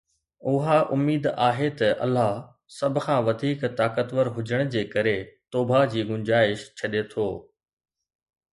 اها اميد آهي ته الله، سڀ کان وڌيڪ طاقتور هجڻ جي ڪري، توبه جي گنجائش ڇڏي ٿو